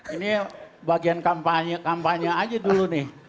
ini bagian kampanye kampanye aja dulu nih